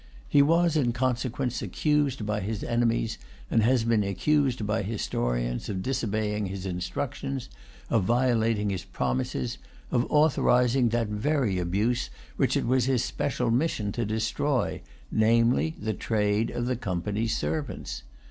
He was in consequence accused by his enemies, and has been accused by historians, of disobeying his instructions, of violating his promises, of authorising that very abuse which it was his special mission to destroy, namely, the trade of the Company's servants.